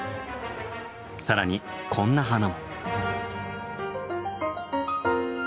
更にこんな花も。